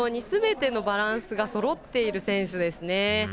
すべてのバランスがそろっている選手です。